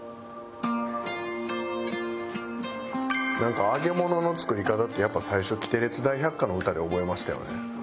なんか揚げ物の作り方ってやっぱ最初『キテレツ大百科』の歌で覚えましたよね。